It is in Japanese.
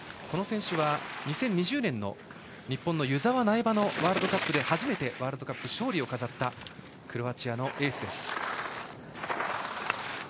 この選手は２０２０年の日本の湯沢・苗場のワールドカップで初めてワールドカップ勝利を飾ったクロアチアのエースです。